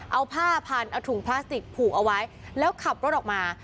เอาผ้าพันเอาถุงพลาสติกผูกเอาไว้แล้วขับรถออกมา